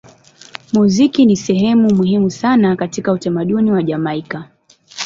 Muziki ni sehemu muhimu sana katika utamaduni wa Jamaika.